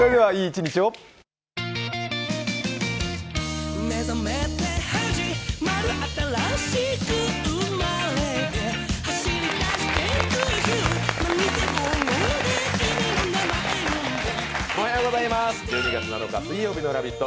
１２月７日水曜日の「ラヴィット！」